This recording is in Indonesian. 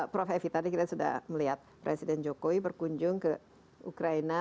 prof evi tadi kita sudah melihat presiden jokowi berkunjung ke ukraina